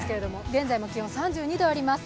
現在も気温３２度あります。